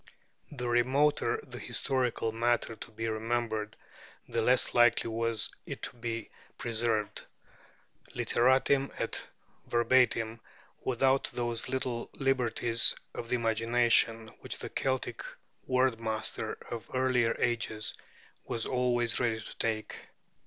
The remoter the historical matter to be remembered, the less likely was it to be preserved, literatim et verbatim, without those little liberties of the imagination which the Celtic word master of earlier ages was always ready to take.